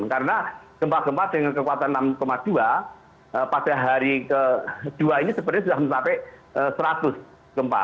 karena gempa gempa dengan kekuatan enam dua pada hari kedua ini sebenarnya sudah mencapai seratus gempa